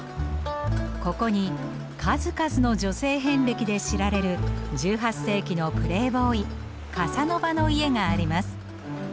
ここに数々の女性遍歴で知られる１８世紀のプレーボーイカサノバの家があります。